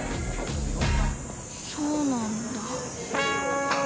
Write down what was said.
そうなんだ。